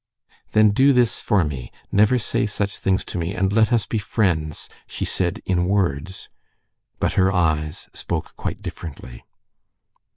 "Then do this for me: never say such things to me, and let us be friends," she said in words; but her eyes spoke quite differently.